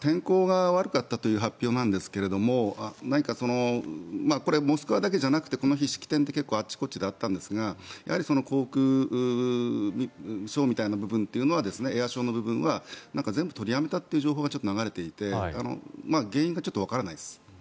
天候が悪かったという発表なんですが何かモスクワだけじゃなくてこの日、式典って結構、あちこちであったんですがやはり航空ショーみたいな部分エアショーの部分は全部取りやめたという情報がちょっと流れていて原因がちょっとわからないです。